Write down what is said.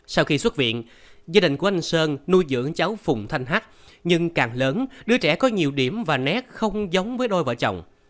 sau khi xuất viện gia đình của anh sơn nuôi dưỡng cháu phùng thanh hắt nhưng càng lớn đứa trẻ có nhiều điểm và nét không giống với đôi vợ chồng